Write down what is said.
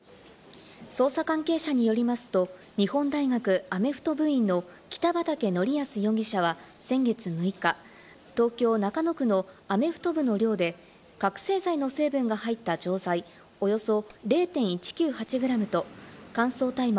捜査関係者によりますと、日本大学アメフト部員の北畠成文容疑者は、先月６日東京・中野区のアメフト部の寮で、覚せい剤の成分が入った錠剤、およそ０．１９８グラムと乾燥大麻